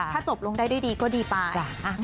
ถ้าจบลงได้ด้วยดีก็ดีไป